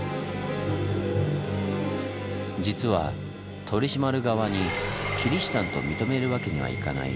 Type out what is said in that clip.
実は取り締まる側にキリシタンと認めるわけにはいかない